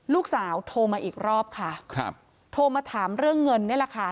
ลูกสาวโทรมาอีกรอบค่ะโทรมาถามเรื่องเงินนี่แหละค่ะ